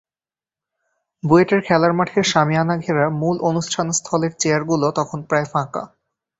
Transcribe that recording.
বুয়েটের খেলার মাঠের শামিয়ানা ঘেরা মূল অনুষ্ঠানস্থলের চেয়ারগুলো তখন প্রায় ফাঁকা।